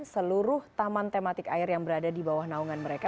seluruh taman tematik air yang berada di bawah naungan mereka